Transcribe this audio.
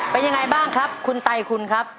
เป็นยังไงบ้างครับคุณไตคุณครับ